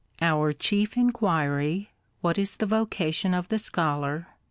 Our chief inquiry — What is the vocation of the Scholar